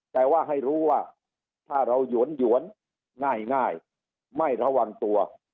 แต่ว่าให้รู้ว่าถ้าเราหยวนง่ายไม่ระวังตัว